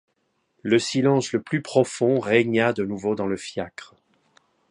Le silence le plus profond régna de nouveau dans le fiacre.